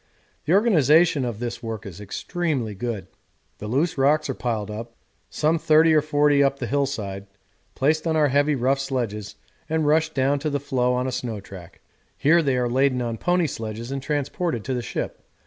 The organisation of this work is extremely good. The loose rocks are pulled up, some 30 or 40 feet up the hillside, placed on our heavy rough sledges and rushed down to the floe on a snow track; here they are laden on pony sledges and transported to the ship.